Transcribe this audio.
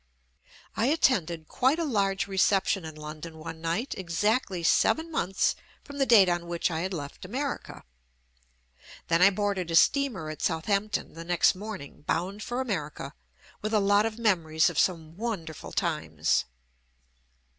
I attended quite a large reception in London one night exactly seven months from the date on which I had left America. Then I boarded a steamer at Southampton the next morning bound for America with a lot of memories of some wonderful times.